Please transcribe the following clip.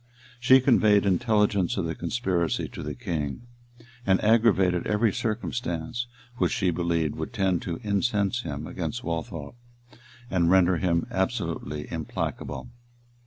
She conveyed intelligence of the conspiracy to the king, and aggravated every circumstance which she believed would tend to incense him against Waltheof, and render him absolutely implacable.